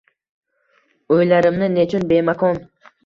O’ylarimni nechun bemakon?